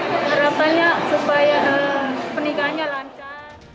harapannya supaya pernikahannya lancar